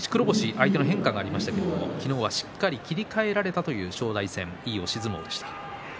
相手の変化がありましたが昨日はしっかり切り替えられたという正代戦いい押し相撲でした。